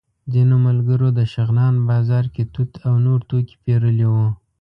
ځینو ملګرو د شغنان بازار کې توت او نور توکي پېرلي وو.